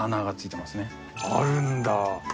あるんだ。